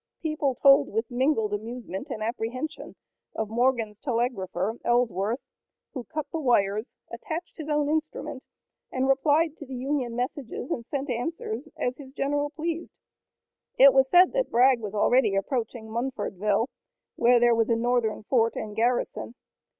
People told with mingled amusement and apprehension of Morgan's telegrapher, Ellsworth, who cut the wires, attached his own instrument, and replied to the Union messages and sent answers as his general pleased. It was said that Bragg was already approaching Munfordville where there was a Northern fort and garrison.